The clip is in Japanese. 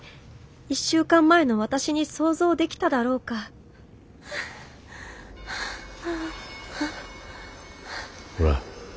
１週間前の私に想像できただろうかほら